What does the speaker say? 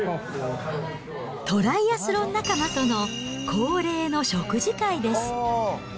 トライアスロン仲間との恒例の食事会です。